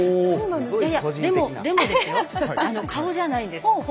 いやいや、でもですよ顔じゃないんです。